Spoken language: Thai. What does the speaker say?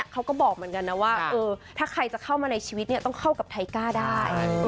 เขาก็บอกเหมือนกันนะว่าถ้าใครจะเข้ามาในชีวิตเนี่ยต้องเข้ากับไทก้าได้